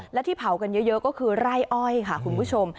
และที่เผากันเยอะก็คือไร่อ้อยค่ะคุณผู้ชม